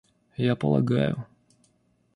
Я полагаю...